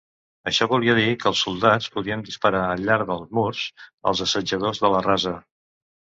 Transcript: Això volia dir que els soldats podien disparar al llarg dels murs als assetjadors de la rasa.